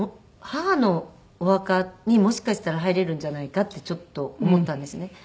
母のお墓にもしかしたら入れるんじゃないかってちょっと思ったんですね。